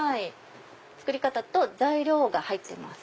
作り方と材料が入ってます。